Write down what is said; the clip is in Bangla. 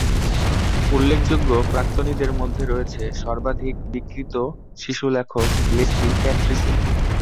উল্লেখযোগ্য প্রাক্তনীদের মধ্যে রয়েছে সর্বাধিক বিক্রিত শিশু লেখক লেসলি প্যাট্রিসিলি।